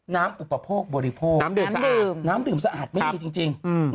อุปโภคบริโภคน้ำดื่มสะอาดน้ำดื่มสะอาดไม่มีจริง